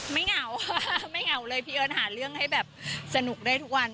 เหงาค่ะไม่เหงาเลยพี่เอิ้นหาเรื่องให้แบบสนุกได้ทุกวัน